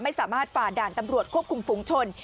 ไม่สามารถฝ่าด่านตำรวจควบคุมฝุงชน